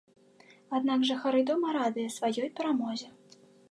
Аднак жыхары дома радыя сваёй перамозе.